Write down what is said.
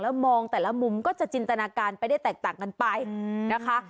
มองแต่ละมุมก็จะจินตนาการไปได้แตกต่างกันไปนะคะ